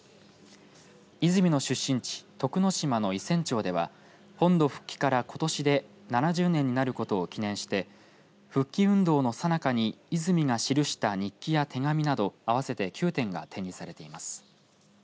泉の出身地徳之島の伊仙町では本土復帰からことしで７０年になることを記念して復帰運動のさなかに泉が記した日記や手紙など合わせて９点が展示されています。